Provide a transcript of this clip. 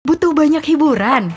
butuh banyak hiburan